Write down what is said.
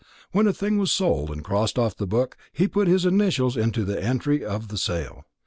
When a thing was sold and crossed off the book, he put his initials to the entry of the sale.